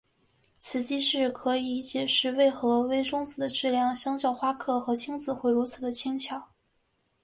此机制可以解释为何微中子的质量相较夸克和轻子会如此地小。